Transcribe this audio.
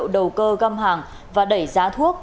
đầu cơ găm hàng và đẩy giá thuốc